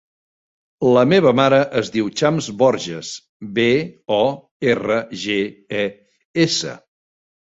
La meva mare es diu Chams Borges: be, o, erra, ge, e, essa.